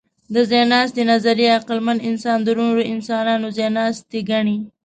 د ځایناستي نظریه عقلمن انسان د نورو انسانانو ځایناستی ګڼي.